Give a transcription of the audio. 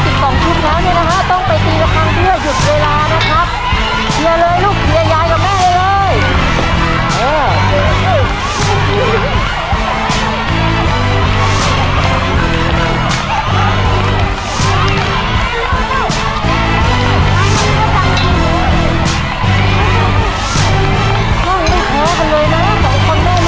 พอพบ๑๒ชุดแล้วเนี่ยนะคะต้องไปตีละครั้งเพื่อหยุดเวลานะครับ